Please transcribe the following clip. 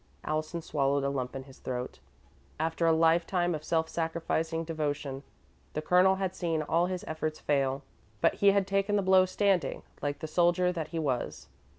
Allison swallowed a lump in his throat. After a lifetime of self sacrificing devotion, the Colonel had seen all his efforts fail, but he had taken the blow standing, like the soldier that he was.